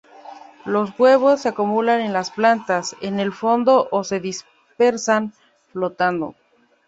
Los huevos se acumulan en las plantas, en el fondo o se dispersan flotando.